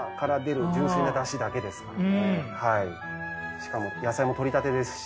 しかも野菜も採りたてですし。